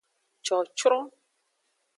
Cocron.